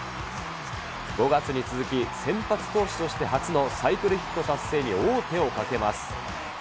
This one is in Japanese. ５月に続き、先発投手として初のサイクルヒット達成に王手をかけます。